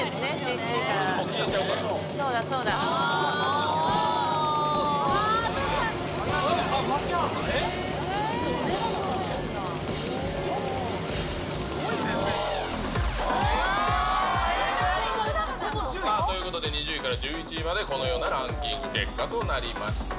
そうだ、そうだ。ということで、２０位から１１位までこのようなランキング結果となりました。